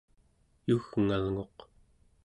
yugngalnguq